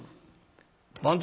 「番頭」。